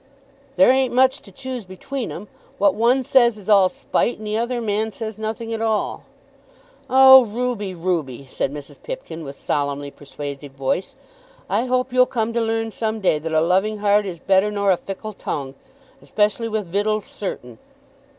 "There ain't much to choose between 'em. What one says is all spite; and the other man says nothing at all." "Oh Ruby, Ruby," said Mrs. Pipkin, with solemnly persuasive voice, "I hope you'll come to learn some day, that a loving heart is better nor a fickle tongue, specially with vittels certain."